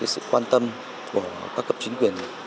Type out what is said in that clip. sự quan tâm của các cấp chính quyền